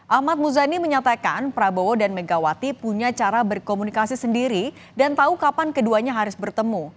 ahmad muzani menyatakan prabowo dan megawati punya cara berkomunikasi sendiri dan tahu kapan keduanya harus bertemu